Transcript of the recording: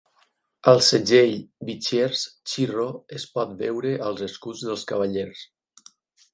Al segell Vichiers, Chi Rho es pot veure als escuts dels cavallers.